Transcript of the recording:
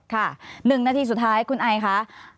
๑นาทีสุดท้ายคุณไอคะ